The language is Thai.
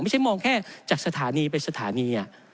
ไม่ใช่มองแค่จากสถานีไปสถานี